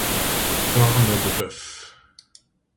Corne-de-boeuf!